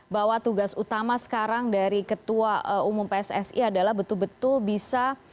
bahwa tugas utama sekarang dari ketua umum pssi adalah betul betul bisa